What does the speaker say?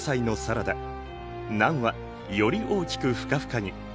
ナンはより大きくふかふかに。